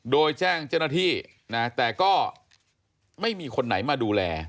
โดยแจ้งเจ้าหน้าที่นะแต่ก็ไม่มีคนไหนมาดูแล